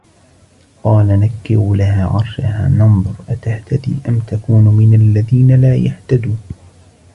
قال نكروا لها عرشها ننظر أتهتدي أم تكون من الذين لا يهتدون